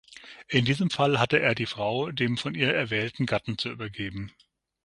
In diesem Fall hatte er die Frau dem von ihr erwählten Gatten zu übergeben.